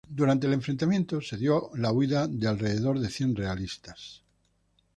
Durante el enfrentamiento se dio la huida de alrededor de cien realistas.